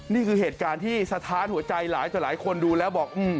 นี่คือเหตุการณ์ที่สะท้านหัวใจหลายต่อหลายคนดูแล้วบอก